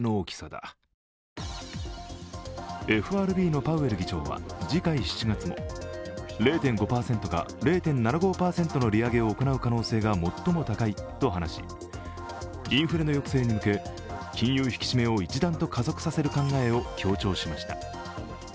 ＦＲＢのパウエル議長は次回７月も０．５％か０．７５％の利上げを行う可能性が最も高いと話しインフレの抑制に向け、金融引き締めを一段と加速させる考えを強調しました。